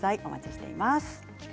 お待ちしています。